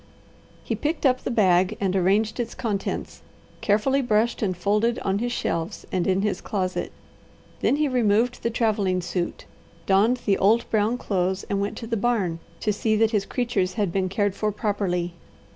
He picked up the bag and arranged its contents, carefully brushed and folded on his shelves and in his closet. Then he removed the travelling suit, donned the old brown clothes and went to the barn to see that his creatures had been cared for properly.